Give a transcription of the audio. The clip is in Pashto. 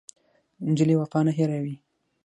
نجلۍ وفا نه هېروي.